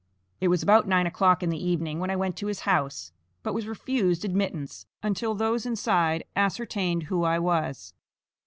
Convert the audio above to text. It was about nine o'clock in the evening when I went to his house, but was refused admittance, until those inside ascertained who I was.